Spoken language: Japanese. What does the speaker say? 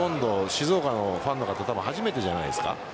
静岡のファンの方初めてじゃないですか。